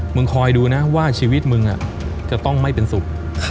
คอยดูนะว่าชีวิตมึงจะต้องไม่เป็นสุข